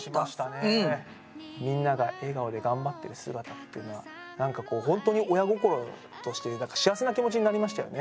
みんなが笑顔で頑張ってる姿っていうのはなんかこうほんとに親心として幸せな気持ちになりましたよね。